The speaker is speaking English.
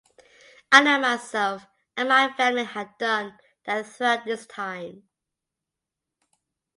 I know myself and my family had done that throughout this time.